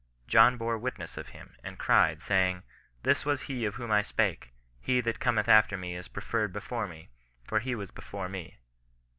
" John bore witness of him, and cried, saying, This was he of whom I spake, He that cometh after me is preferred before me : for he was before me."